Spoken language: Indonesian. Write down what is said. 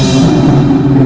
kau gila kok pak